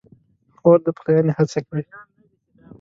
خور د پخلاینې هڅه کوي.